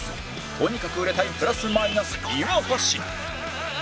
とにかく売れたいプラス・マイナス岩橋